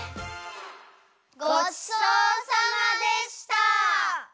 ごちそうさまでした！